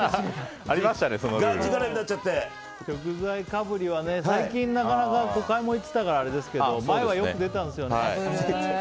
食材かぶりは最近なかなか買い物に行ってたからあれでしたけど前はよく出たんですよね。